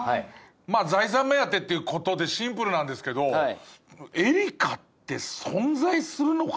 財産目当てってことでシンプルなんですけど「エリカって存在するのか？」